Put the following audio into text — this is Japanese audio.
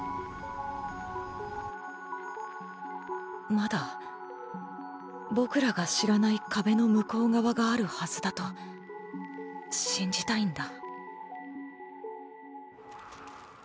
まだ僕らが知らない壁の向こう側があるはずだと信じたいんだ。